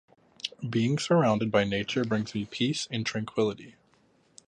Being surrounded by nature brings me peace and tranquility.